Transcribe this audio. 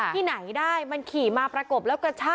ที่ไหนได้มันขี่มาประกบแล้วกระชาก